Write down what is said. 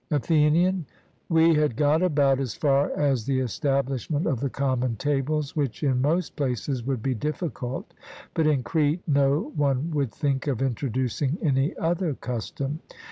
ATHENIAN: We had got about as far as the establishment of the common tables, which in most places would be difficult, but in Crete no one would think of introducing any other custom.